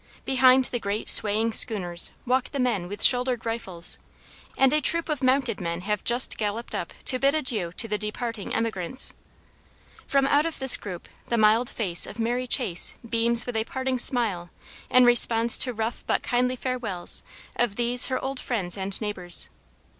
Behind the great swaying "schooners" walk the men with shouldered rifles, and a troup of mounted men have just galloped up to bid adieu to the departing emigrants. From out this group, the mild face of Mary Chase beams with a parting smile in response to rough but kindly farewells of these her old friends and neighbors.